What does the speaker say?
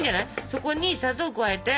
そこに砂糖を加えて。